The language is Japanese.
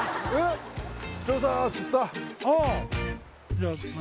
じゃあ何？